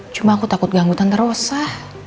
cuma aku takut ganggu tante rosa